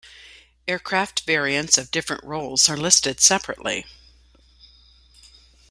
Aircraft variants of different roles are listed separately.